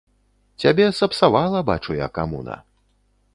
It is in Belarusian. Цябе сапсавала, бачу я, камуна.